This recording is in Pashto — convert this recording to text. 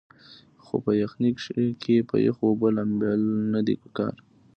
خو پۀ يخنۍ کښې پۀ يخو اوبو لامبل نۀ دي پکار